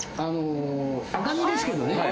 赤身ですけどね。